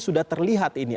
sudah terlihat ini